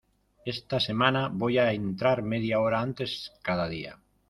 Esta semana voy a entrar media hora antes cada día.